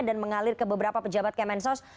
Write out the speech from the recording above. dan mengalir ke beberapa pejabat kemensos